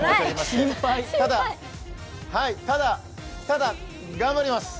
ただ、ただ、頑張ります。